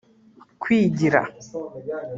kwigira